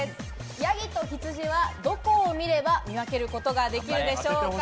ヤギとヒツジはどこを見れば見分けることができるでしょうか。